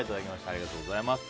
ありがとうございます。